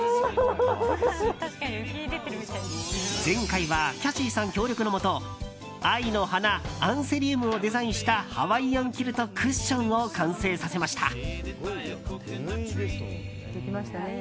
前回はキャシーさん協力のもと愛の花、アンセリウムをデザインしたハワイアンキルトクッションを完成させました。